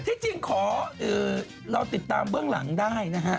ที่จริงขอเราติดตามเบื้องหลังได้นะฮะ